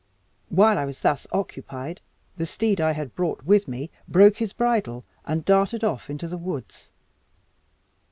While I was thus occupied, the steed I had brought with me broke his bridle, and darted off into the woods.